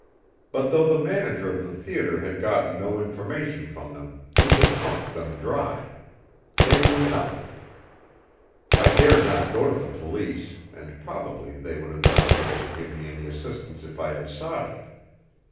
But though the manager of the theater had gotten no information from them, he had pumped them dry. They knew nothing. I dared not go to the police, and probably they would have been unable to give me any assistance if I had sought it.